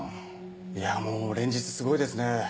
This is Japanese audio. いやもう連日すごいですね